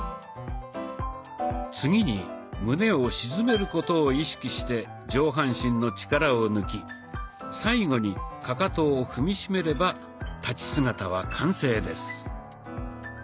次に胸を沈めることを意識して上半身の力を抜き最後にかかとを踏み締めれば立ち姿は完成です。